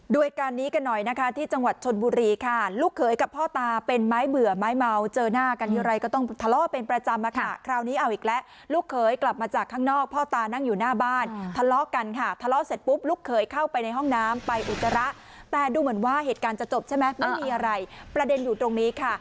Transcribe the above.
เหตุการณ์นี้กันหน่อยนะคะที่จังหวัดชนบุรีค่ะลูกเขยกับพ่อตาเป็นไม้เบื่อไม้เมาเจอหน้ากันทีไรก็ต้องทะเลาะเป็นประจำอะค่ะคราวนี้เอาอีกแล้วลูกเขยกลับมาจากข้างนอกพ่อตานั่งอยู่หน้าบ้านทะเลาะกันค่ะทะเลาะเสร็จปุ๊บลูกเขยเข้าไปในห้องน้ำไปอุจจาระแต่ดูเหมือนว่าเหตุการณ์จะจบใช่ไหมไม่มีอะไรประเด็นอยู่ตรงนี้ค่ะ